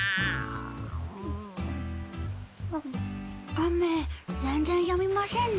雨全然やみませんね。